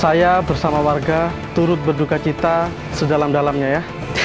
saya bersama warga turut berduka cita sedalam dalamnya ya